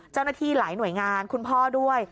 เจ้าหน้าที่หลายหน่วยงานคุณพ่อด้วย